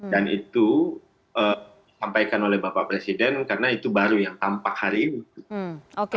dan itu disampaikan oleh bapak presiden karena itu baru yang tampak hari ini